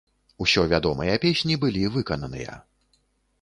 Усё вядомыя песні былі выкананыя.